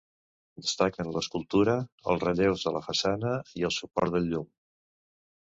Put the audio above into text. Destaquen l'escultura, els relleus de la façana i el suport del llum.